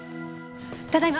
ただいま。